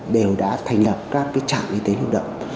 đều đã thành lập các trạng y tế lực động